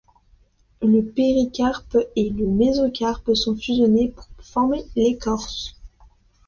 Le péricarpe et le mésocarpe sont fusionnés pour former l'écorce.